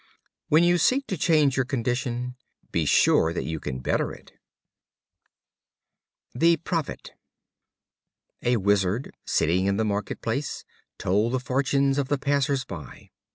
When you seek to change your condition, be sure that you can better it. The Prophet. A Wizard, sitting in the market place, told the fortunes of the passers by.